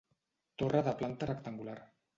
Torre de planta rectangular.